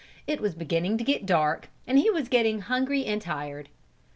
It was beginning to get dark and he was getting hungry and tired.